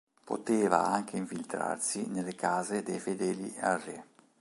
Poteva anche infiltrarsi nelle case dei fedeli al re.